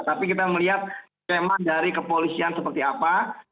tapi kita melihat skema dari kepolisian seperti apa